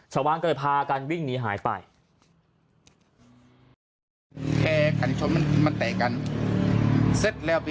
ชาวบ้านก็เลยพากันวิ่งหนีหายไป